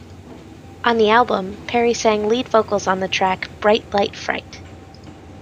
On the album, Perry sang lead vocals on the track "Bright Light Fright".